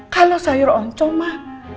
kalau sayur oncom mah